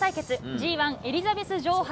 Ｇ１エリザベス女王杯。